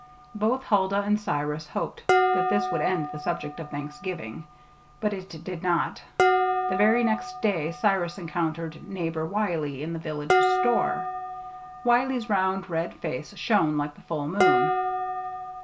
Both Huldah and Cyrus hoped that this would end the subject of Thanksgiving; but it did not. The very next day Cyrus encountered neighbor Wiley in the village store. Wiley's round red face shone like the full moon.